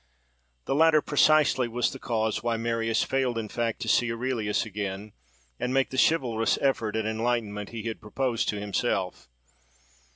The latter, precisely, was the cause why Marius failed in fact to see Aurelius again, and make the chivalrous effort at enlightenment he had proposed to himself.